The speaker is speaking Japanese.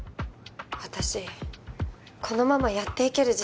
私このままやっていける自信ない。